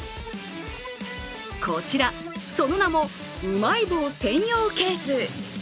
こちら、その名もうまい棒専用ケース。